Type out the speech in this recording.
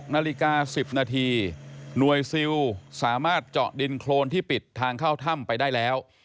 นาฬิกา๑๐นาทีหน่วยซิลสามารถเจาะดินโครนที่ปิดทางเข้าถ้ำไปได้แล้ว